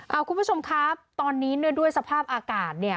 เอาคุณผู้ชมครับตอนนี้เนื่องด้วยสภาพอากาศเนี่ย